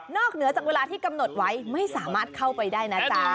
เหนือจากเวลาที่กำหนดไว้ไม่สามารถเข้าไปได้นะจ๊ะ